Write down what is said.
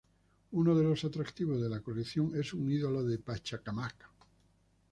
Uno de los atractivos de la colección es un ídolo de Pachacámac.